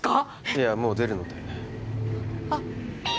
いやもう出るのであっ